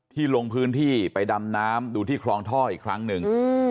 ลงพื้นที่ไปดำน้ำดูที่คลองท่ออีกครั้งหนึ่ง